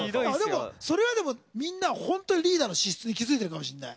それはでもみんなホントにリーダーの資質に気づいてるかもしれない。